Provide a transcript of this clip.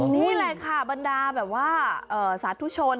นี่แหละค่ะบรรดาแบบว่าสาธุชน